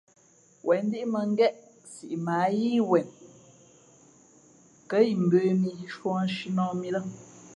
Wěn ndíʼ mᾱngén siʼ mα ǎ yíí wen kα̌ imbə̄ mī nshūᾱ nshǐnᾱh mǐ lά.